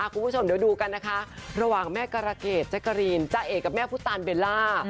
คุณผู้ชมเดี๋ยวดูกันนะคะระหว่างแม่การะเกดแจ๊กกะรีนจ้าเอกกับแม่พุทธตานเบลล่า